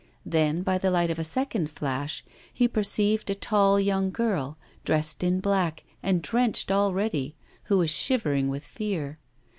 Then, by the light of a second flash, he perceived a tall young girl, dressed in black, and drenched already, who was shivering with fear.